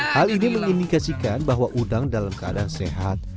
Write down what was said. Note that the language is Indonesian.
hal ini mengindikasikan bahwa udang dalam keadaan sehat